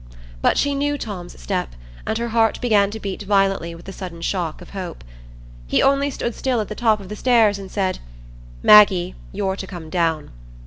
But she knew Tom's step, and her heart began to beat violently with the sudden shock of hope. He only stood still at the top of the stairs and said, "Maggie, you're to come down."